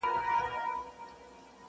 صوفي او حاکم؛